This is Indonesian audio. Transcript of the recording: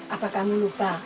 apakah kamu lupa